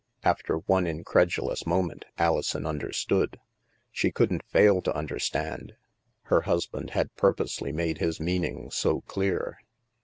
After one incredulous moment, Alison understood. She couldn't fail to tmderstand; her husband had purposely made his meaning so clear.